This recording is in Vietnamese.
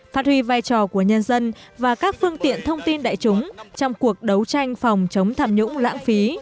phát huy vai trò của nhân dân và các phương tiện thông tin đại chúng trong cuộc đấu tranh phòng chống thảm nhũng lãng phí